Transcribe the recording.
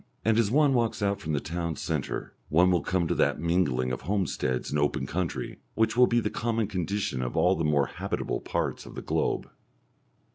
And as one walks out from the town centre one will come to that mingling of homesteads and open country which will be the common condition of all the more habitable parts of the globe.